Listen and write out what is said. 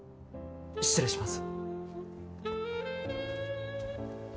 失礼します。